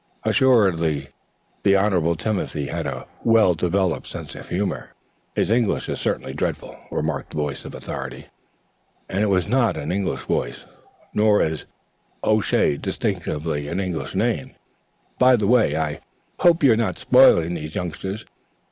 Assuredly the Honorable Timothy had a well developed sense of humor. "His English is certainly dreadful," remarked the voice of authority, and it was not an English voice, nor is O'Shea distinctively an English name. "Dreadful. And, by the way, I hope you are not spoiling these youngsters.